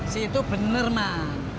situ bener mang